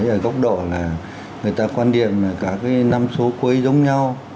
ở góc độ là người ta quan điểm là các năm số quấy giống nhau